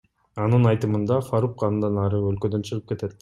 Анын айтымында, Фарук андан ары өлкөдөн чыгып кетет.